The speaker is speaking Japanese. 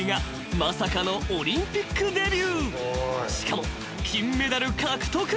［しかも金メダル獲得。